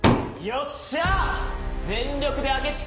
よっしゃ！